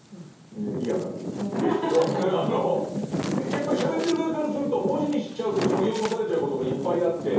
やっぱりしゃべってる側からすると文字にしちゃうとそぎ落とされちゃうことがいっぱいあって。